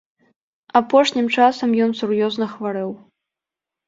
Апошнім часам ён сур'ёзна хварэў.